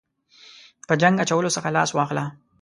په جنګ اچولو څخه لاس واخله.